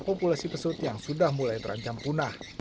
populasi pesut yang sudah mulai terancam punah